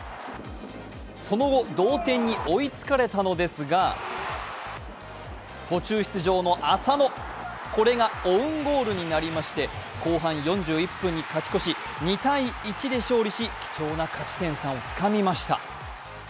その後、同点に追いつかれたのですが、途中出場の浅野、これオウンゴールになりまして、後半４１分に勝ち越し、２−１で勝利し、貴重な勝ち点１を勝ち取りました。